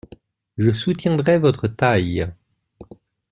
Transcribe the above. Je soutiendrai votre taille.